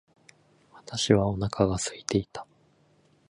私はお腹が空いていた。